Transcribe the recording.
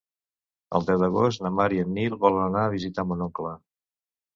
El deu d'agost na Mar i en Nil volen anar a visitar mon oncle.